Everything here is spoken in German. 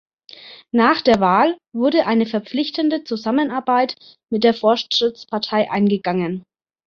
Nach der Wahl wurde eine verpflichtende Zusammenarbeit mit der Fortschrittspartei eingegangen.